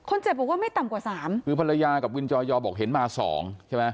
เจ็บบอกว่าไม่ต่ำกว่าสามคือภรรยากับวินจอยอบอกเห็นมาสองใช่ไหม